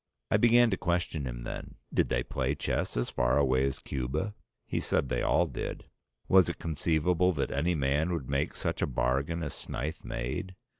I began to question him then. Did they play chess as far away as Cuba? He said they all did. Was it conceivable that any man would make such a bargain as Snyth made?